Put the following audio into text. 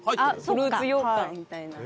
フルーツようかんみたいな。